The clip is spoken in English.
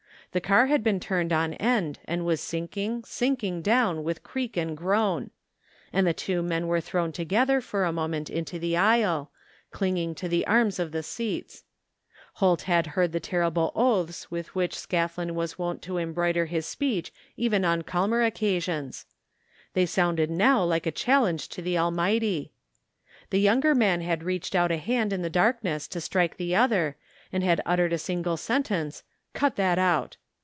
The car had been turned on end and was sinking, sinking down with creak and groan; and the two men were thrown to gether for a moment into the aisle, clinging to the arms of the seats. Holt had heard the terrible oaths with which Scathlin was wont to embroider his speech even on calmer occasions. They sounded now like a chal lenge to the Almighty, The younger man had reached out a hand in the darkness to strike the other, and had uttered a single sentence " Cut that out